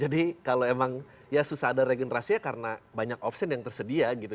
jadi kalau emang ya susah ada regenerasinya karena banyak option yang tersedia gitu